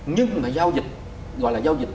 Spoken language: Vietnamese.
nhưng mà giao dịch gọi là giao dịch